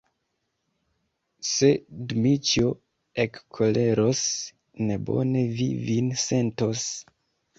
Se Dmiĉjo ekkoleros, nebone vi vin sentos!